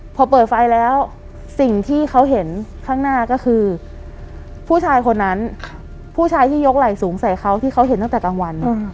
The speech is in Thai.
พอเปิดไฟแล้วสิ่งที่เขาเห็นข้างหน้าก็คือผู้ชายคนนั้นผู้ชายที่ยกไหล่สูงใส่เขาที่เขาเห็นตั้งแต่กลางวัน